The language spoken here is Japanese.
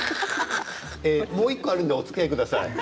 もう１個あるのでおつきあいください。